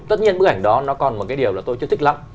tất nhiên bức ảnh đó nó còn một cái điều là tôi chưa thích lắm